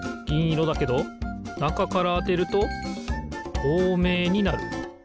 ぎんいろだけどなかからあてるととうめいになる。